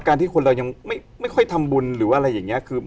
ที่คนเรายังไม่ค่อยทำบุญหรือว่าอะไรอย่างนี้คือ